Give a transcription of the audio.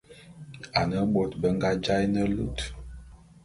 Ane bôt be nga jaé ne lut.